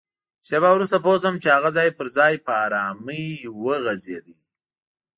شېبه وروسته پوه شوم چي هغه ځای پر ځای په ارامۍ وغځېد.